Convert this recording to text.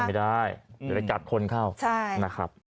ไม่ได้เดี๋ยวจะจัดคนเข้า